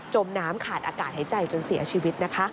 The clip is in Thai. มน้ำขาดอากาศหายใจจนเสียชีวิตนะคะ